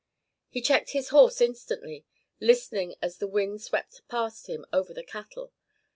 He checked his horse instantly, listening as the wind swept past him over the cattle.